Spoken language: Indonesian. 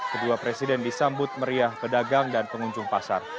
kedua presiden disambut meriah pedagang dan pengunjung pasar